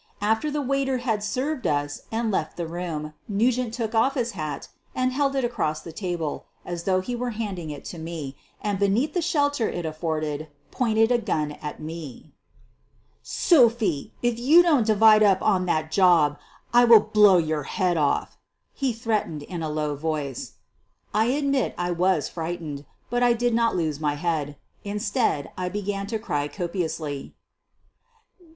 After tlie waiter had served us and left the room, Nugent took off his hat, held it across the table as though he were handing it to me, and be neath the shelter it afforded pointed a gun at me. SOPHIE, IF YOU DON'T HAND ME $2,000, I'LL BLOW YOUR 4 "Sophie, if you don't divide up on that job, I will blow your head off !" he threatened in a low voice. I admit I was frightened, but I did not lose my head. Instead I began to cry copiously.